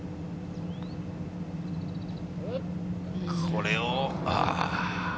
これを、あー。